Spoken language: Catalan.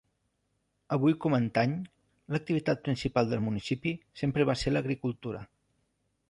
Avui com antany, l'activitat principal del municipi sempre va ser l'agricultura.